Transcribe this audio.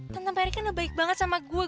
tante merry kan udah baik banget sama gue